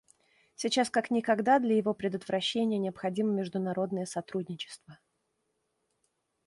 Сейчас как никогда для его предотвращения необходимо международное сотрудничество.